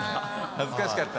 恥ずかしかった。